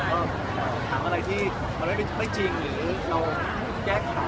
ก็ถามอะไรที่มันไม่จริงหรือเราแก้ไข